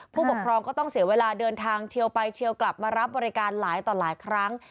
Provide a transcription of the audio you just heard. ผู้ปกครองก็ต้องเสียเวลาเดินทางเทียวไปเทียวกลับมารับบริการหลายต่อหลายครั้ง